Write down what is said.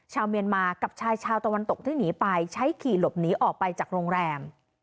ชาวเมียนมากับชายชาวตะวันตกที่หนีไปใช้ขี่หลบหนีออกไปจากโรงแรม